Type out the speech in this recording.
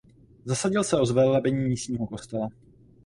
Zasadil se o zvelebení místního kostela.